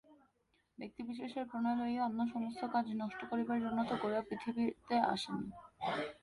ব্যক্তিবিশেষের প্রণয় লইয়া অন্য সমস্ত কাজ নষ্ট করিবার জন্য তো গোরা পৃথিবীতে আসে নাই।